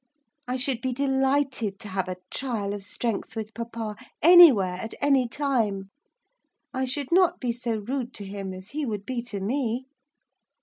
I should be delighted to have a trial of strength with papa; anywhere, at any time, I should not be so rude to him as he would be to me.